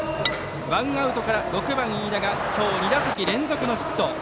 ワンアウトから６番、飯田が今日、２打席連続のヒット。